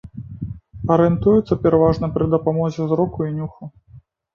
Арыентуюцца пераважна пры дапамозе зроку і нюху.